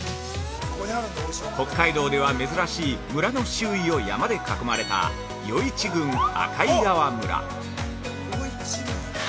北海道では珍しい村の周囲を山で囲まれた余市郡赤井川村。